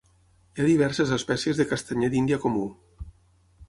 Hi ha diverses espècies de castanyer d'Índia comú.